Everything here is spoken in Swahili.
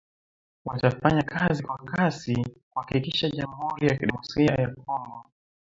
watafanya kazi kwa kasi kuhakikisha jamhuri ya kidemokrasia ya Kongo